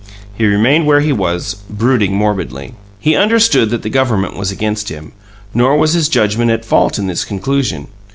He remained where he was, brooding morbidly. He understood that the government was against him, nor was his judgment at fault in this conclusion.